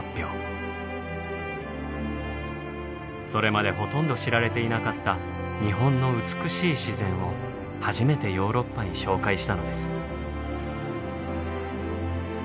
それまでほとんど知られていなかった日本の美しい自然を初めてヨーロッパに紹介したのです。